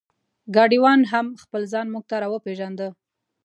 ګاډیوان هم خپل ځان مونږ ته را وپېژنده.